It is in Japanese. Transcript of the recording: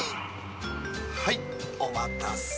はいおまたせ！